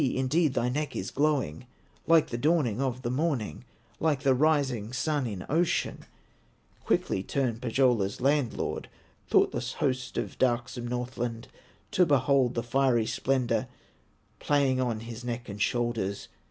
indeed thy neck is glowing Like the dawning of the morning, Like the rising Sun in ocean!" Quickly turned Pohyola's landlord, Thoughtless host of darksome Northland, To behold the fiery splendor Playing on his neck and shoulders.